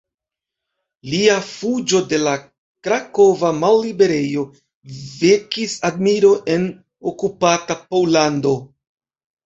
Lia fuĝo de la krakova malliberejo vekis admiron en okupata Pollando.